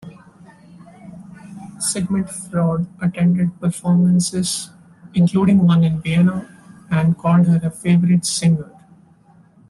Sigmund Freud attended performances, including one in Vienna, and called her a favorite singer.